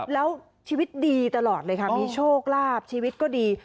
แล้วชีวิตดีตลอดเลยค่ะมีโชคลาภชีวิตก็ดี